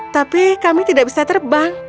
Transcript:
tapi kami tidak bisa terbang